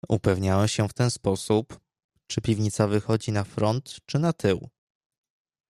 "Upewniałem się w ten sposób, czy piwnica wychodzi na front, czy na tył."